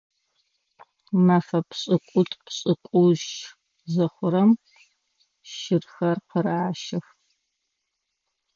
Мэфэ пшӏыкӏутӏу-пшӏыкӏутщ зыхъурэм щырхэр къыращых.